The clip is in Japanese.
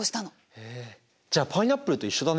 へえじゃあパイナップルと一緒だね。